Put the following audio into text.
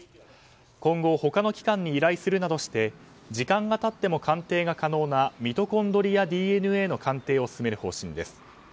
今後、他の機関に依頼するなどして時間がたっても鑑定が可能なミトコンドリアＤＮＡの鑑定を進める方針です。